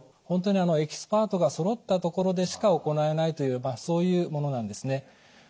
本当にエキスパートがそろった所でしか行えないというそういうものなんですね。